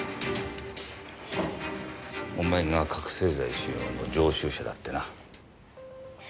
お前が覚せい剤使用の常習者だってな。